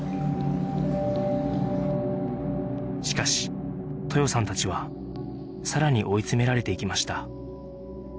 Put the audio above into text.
しかし豊さんたちはさらに追い詰められていきました